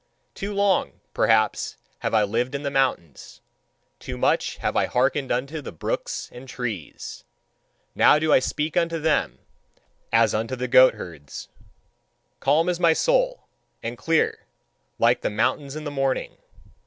Too long, perhaps, have I lived in the mountains; too much have I hearkened unto the brooks and trees: now do I speak unto them as unto the goatherds. Calm is my soul, and clear, like the mountains in the morning.